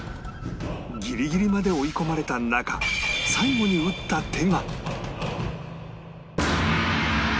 ギリギリまで追い込まれた中最後に打った手が